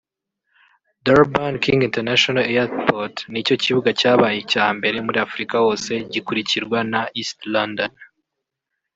Durban King International Airport nicyo kibuga cyabaye icya mbere muriAfurika hose gikurikirwa na East London